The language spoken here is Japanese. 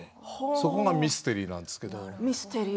そこがミステリーなんですけど。